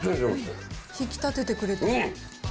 引き立ててくれてる。